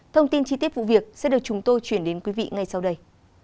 thông tin chi tiết vụ việc sẽ được chúng tôi chuyển đến quý vị ngay sau đây